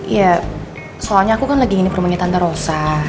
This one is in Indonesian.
ya soalnya aku kan lagi ingin ke rumahnya tante rosa